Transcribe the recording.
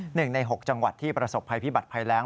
หนึ่งในหกจังหวัดที่ประสบภัยพิบัติภัยแรง